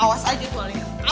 awas aja tualnya